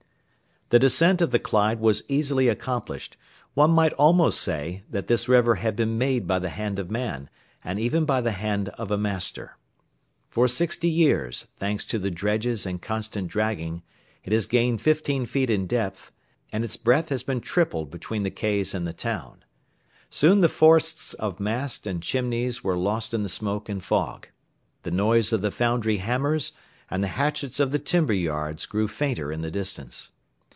The descent of the Clyde was easily accomplished, one might almost say that this river had been made by the hand of man, and even by the hand of a master. For sixty years, thanks to the dredges and constant dragging, it has gained fifteen feet in depth, and its breadth has been tripled between the quays and the town. Soon the forests of masts and chimneys were lost in the smoke and fog; the noise of the foundry hammers and the hatchets of the timber yards grew fainter in the distance.